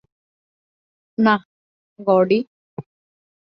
না, গর্ডি!